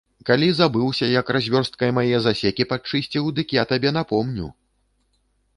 Калі забыўся, як развёрсткай мае засекі падчысціў, дык я табе напомню.